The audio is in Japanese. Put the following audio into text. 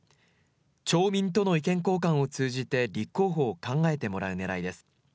町民との意見交換を通じて立候補を考えてもらうねらいです。